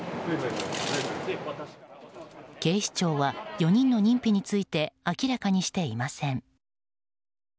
警視庁は４人の認否について明らかにしていません。